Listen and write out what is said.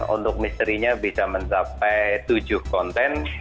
untuk misterinya bisa mencapai tujuh konten